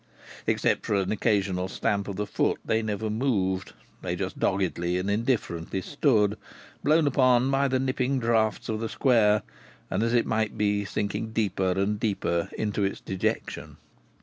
Except for an occasional stamp of the foot they never moved. They just doggedly and indifferently stood, blown upon by all the nipping draughts of the square, and as it might be sinking deeper and deeper into its dejection.